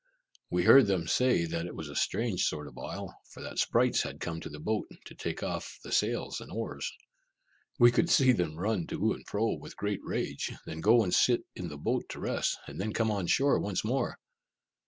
We heard them say that it was a strange sort of isle, for that sprites had come to the boat, to take off the sails and oars. We could see them run to and fro, with great rage; then go and sit in the boat to rest, and then come on shore once more.